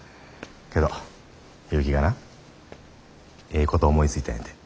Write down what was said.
けど結城がなええこと思いついたんやて。